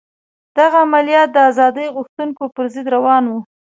دغه عملیات د ازادي غوښتونکو پر ضد روان وو.